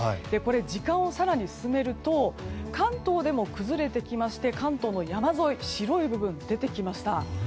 時間を更に進めると関東でも崩れてきまして関東の山沿い白い部分が出てきました。